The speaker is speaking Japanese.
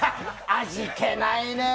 味気ないね。